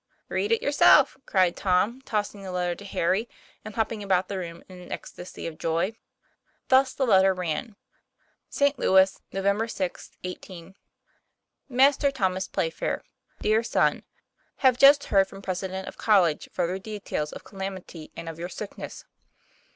"Read it yourself," cried Tom, tossing the letter to Harry, and hopping about the room in an ecstasy of joy. Thus the letter ran: ST. Louis, Nov. 6th, 18 . MASTER THOMAS PLAYFAIR: Dear Son. Have just heard from president of college fuller details of calamity, and of your sickness.